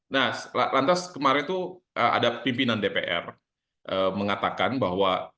nah lantas kemarin itu ada pimpinan dpr mengatakan bahwa